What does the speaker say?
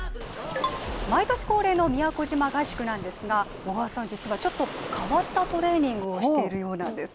毎年恒例の宮古島合宿なんですが実はちょっと変わったトレーニングをしているようなんです。